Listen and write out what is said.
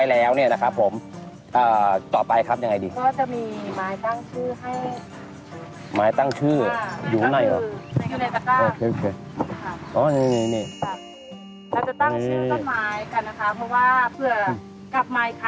เผื่อกลับมาอีกครั้งหนึ่งกี่สี่สิบวันเราก็จะได้รู้ว่า